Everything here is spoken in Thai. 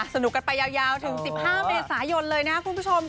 สนุกกันไปยาวถึง๑๕เมษายนเลยนะคุณผู้ชม